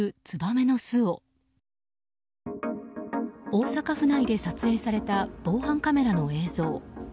大阪府内で撮影された防犯カメラの映像。